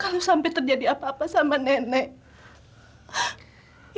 kalau sampai terjadi apa apa sama nenek